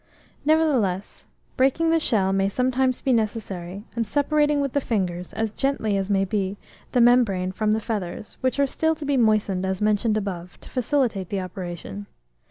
Nevertheless, breaking the shell may sometimes be necessary; and separating with the fingers, as gently as may be, the membrane from the feathers, which are still to be moistened as mentioned above, to facilitate the operation.